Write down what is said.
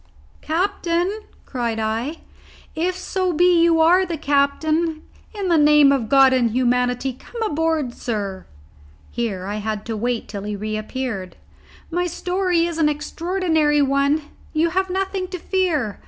"Captain," cried I, "if so be you are the captain, in the name of God and humanity come aboard, sir." Here I had to wait till he reappeared. "My story is an extraordinary one. You have nothing to fear.